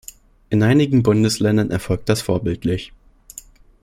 In einigen Bundesländern erfolgt das vorbildlich.